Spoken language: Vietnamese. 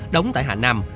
đóng tại hà nam